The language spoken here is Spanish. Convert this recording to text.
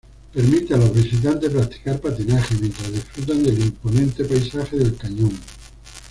Permite a los visitantes practicar patinaje mientras disfrutan del imponente paisaje del cañón.